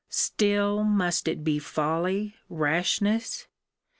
Still must it be folly, rashness!